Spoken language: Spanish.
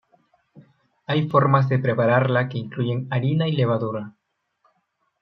Hay formas de prepararla que incluyen harina y levadura.